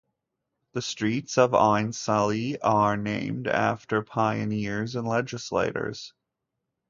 The streets of Ainslie are named after pioneers and legislators.